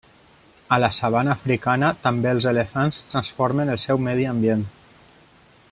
A la sabana africana també els elefants transformen el seu medi ambient.